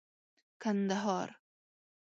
کندهار